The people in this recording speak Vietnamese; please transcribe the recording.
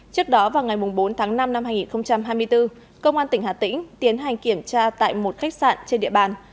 trước đó vào ngày bốn tháng năm năm hai nghìn hai mươi bốn công an tỉnh hà tĩnh tiến hành kiểm tra tại một khách sạn trên địa bàn